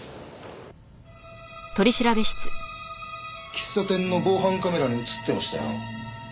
喫茶店の防犯カメラに映ってましたよ。